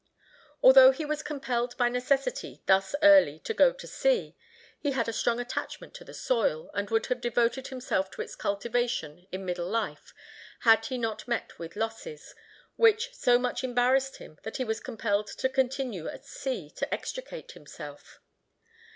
Although he was compelled by necessity thus early to go to sea, he had a strong attachment to the soil, and would have devoted himself to its cultivation in middle life, had he not met with losses, which so much embarrassed him, that he was compelled to continue at sea to extricate himself.